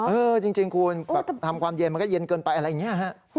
เออจริงคุณแบบทำความเย็นมันก็เย็นเกินไปอะไรอย่างนี้ฮะ